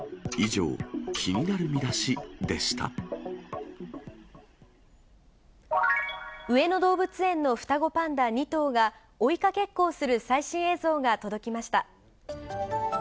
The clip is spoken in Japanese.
上野動物園の双子パンダ２頭が、追いかけっこをする最新映像が届きました。